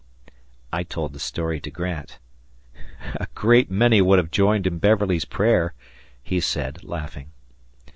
I told the story to Grant. "A great many would have joined in Beverly's prayer," he said, laughing.